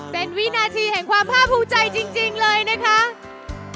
เป็นวินาทีแห่งความภาคภูมิใจจริงเลยนะคะ